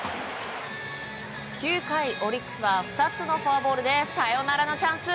９回、オリックスは２つのフォアボールでサヨナラのチャンス。